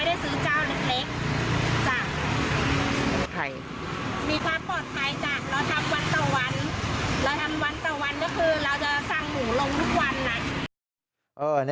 เราทำวันตะวันก็คือเราจะสั่งหมูลงทุกวันน่ะ